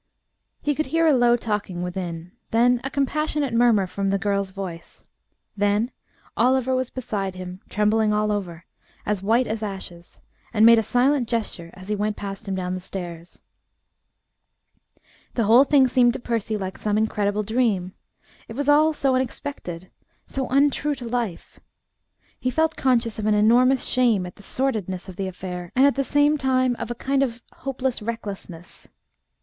He could hear a low talking within; then a compassionate murmur from the girl's voice; then Oliver was beside him, trembling all over, as white as ashes, and made a silent gesture as he went past him down the stairs. The whole thing seemed to Percy like some incredible dream; it was all so unexpected, so untrue to life. He felt conscious of an enormous shame at the sordidness of the affair, and at the same time of a kind of hopeless recklessness.